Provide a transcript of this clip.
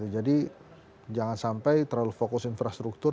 jadi jangan sampai terlalu fokus infrastruktur